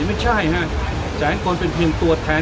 ไม่ใช่ฮะแสงกรเป็นเพียงตัวแทน